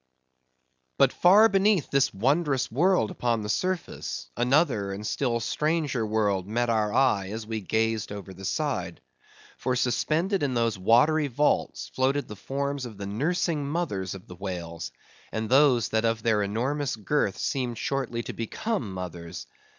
But far beneath this wondrous world upon the surface, another and still stranger world met our eyes as we gazed over the side. For, suspended in those watery vaults, floated the forms of the nursing mothers of the whales, and those that by their enormous girth seemed shortly to become mothers.